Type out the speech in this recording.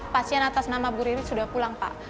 pasien atas nama bu riri sudah pulang pak